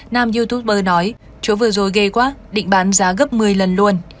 nam youtuber nói chỗ vừa rồi ghê quá định bán giá gấp một mươi lần luôn